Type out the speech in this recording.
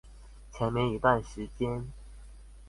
前面一段時間